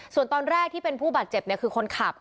ส่วนตอนแรกที่เป็นผู้บาดเจ็บคือคนขับ